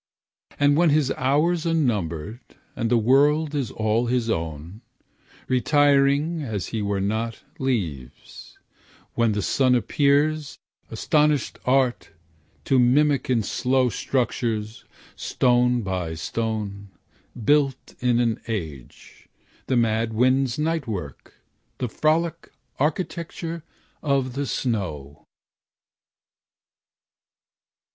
And when his hours are numbered, and the world Is all his own, retiring, as he were not, Leaves, when the sun appears, astonished Art To mimic in slow structures, stone by stone, Built in an age, the mad wind's night work, The frolic architecture of the snow.